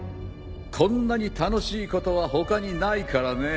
こんなに楽しいことは他にないからね。